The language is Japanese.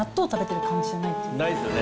ないですよね。